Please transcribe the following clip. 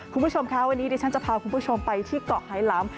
คุณผู้ชมคะวันนี้ดิฉันจะพาคุณผู้ชมไปที่เกาะไฮล้ำ